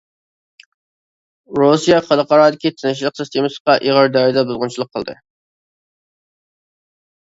رۇسىيە خەلقئارادىكى تىنچلىق سىستېمىسىغا ئېغىر دەرىجىدە بۇزغۇنچىلىق قىلدى.